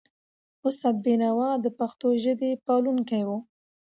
استاد بینوا د پښتو ژبي پالونکی و.